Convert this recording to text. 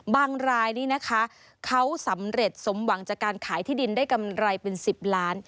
รายนี้นะคะเขาสำเร็จสมหวังจากการขายที่ดินได้กำไรเป็น๑๐ล้าน